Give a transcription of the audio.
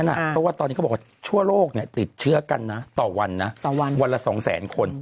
เพราะว่าตอนนี้ก็บอกชั่วโลกติดเชือกันต่อวันวันละ๒๐๐๐๐๐คน